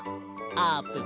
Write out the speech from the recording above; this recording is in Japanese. あーぷん。